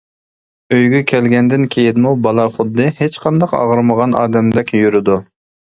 ئۆيگە كەلگەندىن كېيىنمۇ بالا خۇددى ھېچقاچان ئاغرىمىغان ئادەمدەك يۈرىدۇ.